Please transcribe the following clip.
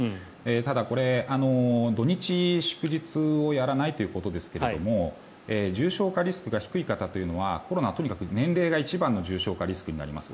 ただこれ、土日祝日をやらないということですが重症化リスクが低い方というのはコロナは年齢が一番の重症化リスクになります。